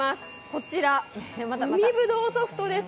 こちら、海ぶどうソフトです。